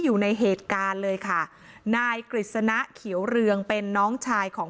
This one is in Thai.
อยู่ในเหตุการณ์เลยค่ะนายกฤษณะเขียวเรืองเป็นน้องชายของ